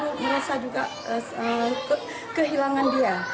jadi kami juga merasa berpengalaman